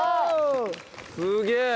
すげえ！